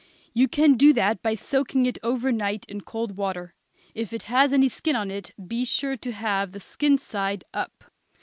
You can do that by soaking it over night in cold water; if it has any skin on it be sure to have the skin side up.